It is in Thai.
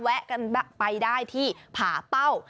แวะกันไปได้ที่ผ่าเป้า